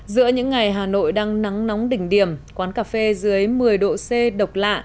giữa những ngày hà nội đang nắng nóng đỉnh điểm quán cà phê dưới một mươi độ c độc lạ